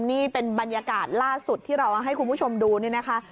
นี่เป็นบรรยากาศล่าสุดที่เราเอาให้คุณผู้ชมดูนี่นะคะ